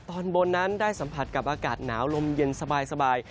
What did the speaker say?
ตอนบนนั้นได้สัมผัสกับอากาศหนาวลมเย็นสบาย